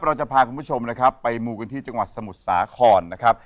เราจะพาคุณผู้ชมนะครับไปมูกันที่จังหวัดสมุทรสาครนะครับ